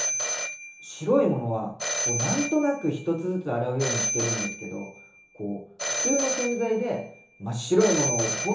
白いものはこう何となく１つずつ洗うようにしてるんですけどこう普通の洗剤で真っ白いものを本当に白くするって無理ですよね？